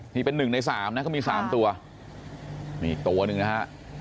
นี่เป็นหนึ่งในสามนะเขามี๓ตัวนี่อีกตัวหนึ่งนะฮะ